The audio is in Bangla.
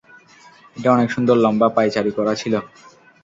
এটা অনেকসুন্দর লম্বা পায়চারী করা ছিল।